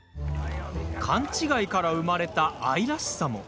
勘違いから生まれた愛らしさも。